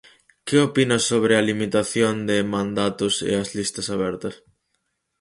Que opina sobre a limitación de mandatos e as listas abertas?